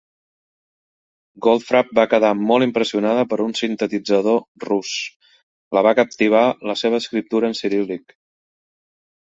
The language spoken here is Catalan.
Goldfrapp va quedar molt impressionada per un sintetitzador rus, la va captivar la seva escriptura en ciríl·lic.